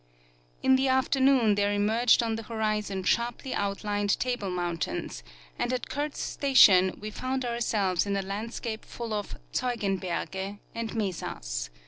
In the afternoon there emerged on the horizon sharply out lined table mountains, and at Kurtz station Ave found our selves in a landscape full of " Zeugenberge " and mesas.